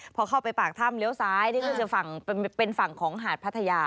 พอเข้าไปปากถ้ำเลี้ยวซ้ายนี่ก็คือฝั่งเป็นฝั่งของหาดพัทยา